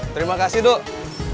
terima kasih duk